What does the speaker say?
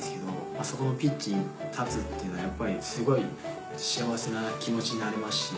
あそこのピッチに立つというのはすごい幸せな気持ちになれますし。